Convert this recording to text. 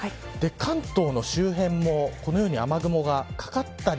関東の周辺もこのように雨雲がかかったり